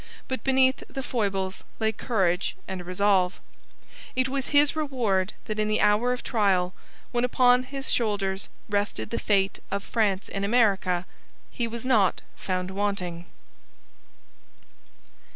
But beneath the foibles lay courage and resolve. It was his reward that in the hour of trial, when upon his shoulders rested the fate of France in America, he was not found wanting.